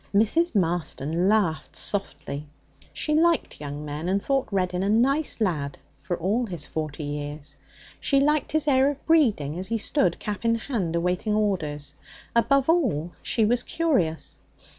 Mrs. Marston laughed softly. She liked young men, and thought Reddin 'a nice lad,' for all his forty years. She liked his air of breeding as he stood cap in hand awaiting orders. Above all, she was curious.